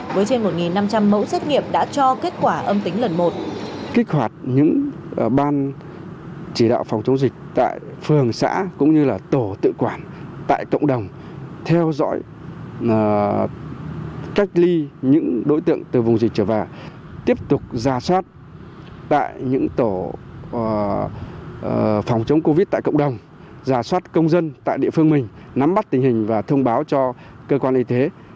với trên một năm trăm linh mẫu xét nghiệm đã cho kết quả âm tính lần một